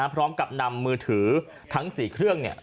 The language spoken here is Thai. พร้อมกับนำมือถือทั้ง๔เครื่อง